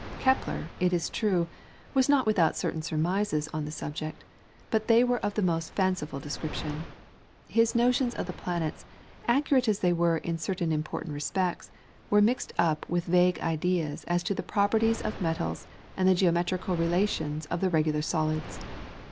Kepler, it is true, was not without certain surmises on the subject, but they were of the most fanciful description. His notions of the planets, accurate as they were in certain important respects, were mixed up with vague ideas as to the properties of metals and the geometrical relations of the regular solids.